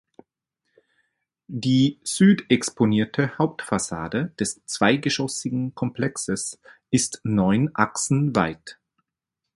Die südexponierte Hauptfassade des zweigeschossigen Komplexes ist neun Achsen weit.